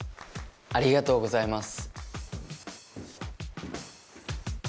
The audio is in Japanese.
ありがとうございます。